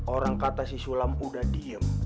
orang kata si sulam udah diem